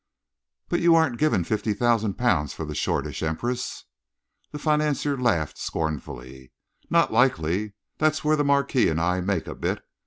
"But you aren't giving fifty thousand pounds for the Shoreditch Empress?" The financier laughed scornfully. "Not likely! That's where the Marquis and I make a bit.